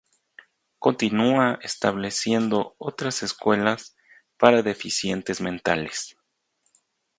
Continúa estableciendo otras escuelas para deficientes mentales.